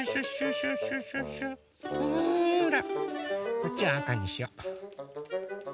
こっちはあかにしよう。